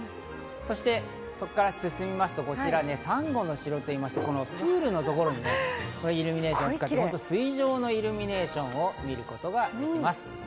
そしてそこから進みますとこちら、サンゴの城といいまして、プールのところにイルミネーション、水上のイルミネーションを楽しむことができます。